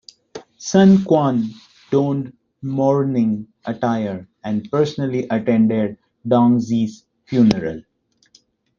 Sun Quan donned mourning attire and personally attended Dong Xi's funeral.